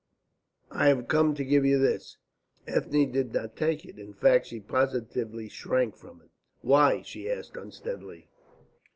"I have come to give you this." Ethne did not take it. In fact, she positively shrank from it. "Why?" she asked unsteadily.